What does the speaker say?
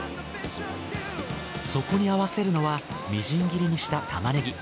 そこに合わせるのはみじん切りにしたタマネギ。